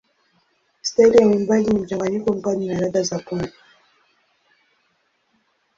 Staili ya uimbaji ni mchanganyiko mkali na ladha za pwani.